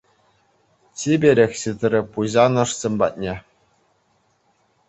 Чиперех ҫитрӗ пуҫанӑшсем патне.